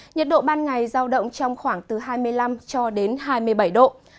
nhiệt độ ban ngày giao động trong khoảng từ hai mươi năm cho đến hai mươi bảy độ